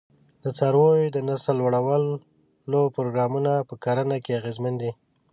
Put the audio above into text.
د څارویو د نسل لوړولو پروګرامونه په کرنه کې اغېزمن دي.